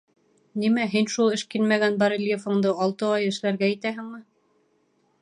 Нимә, һин шул эшкинмәгән барельефыңды алты ай эшләргә итәһеңме?